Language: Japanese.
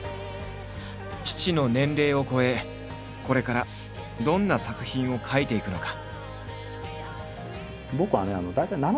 父の年齢を超えこれからどんな作品を書いていくのか。